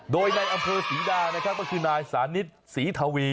โดยในอำเภอศรีดานะครับก็คือนายสานิทศรีทวี